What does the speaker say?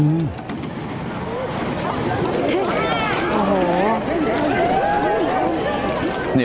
อืม